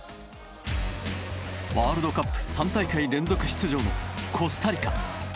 ワールドカップ３大会連続出場のコスタリカ。